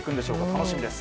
楽しみです。